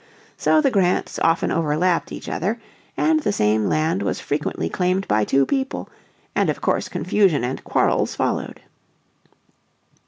So the grants often overlapped each other, and the same land was frequently claimed by two people, and of course confusion and quarrels followed.